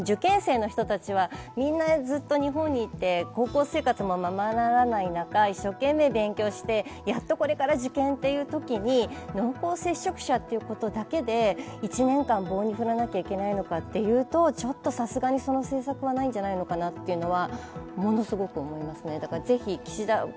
でも受験生の人たちはみんなずっと日本にいて、高校生活もままならない中、一生懸命勉強して、やっとこれから受験というときに濃厚接触者ということだけで１年間、棒に振らなきゃいけないのかというと、ちょっとさすがにその政策はないんじゃないかなというのはものすごく思いますね。